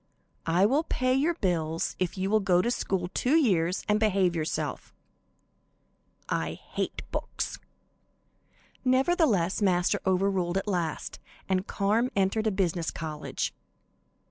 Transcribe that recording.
"I will pay your bills if you will go to school two years and behave yourself." "I hate books!" Nevertheless, Master overruled at last, and Carm entered a business college.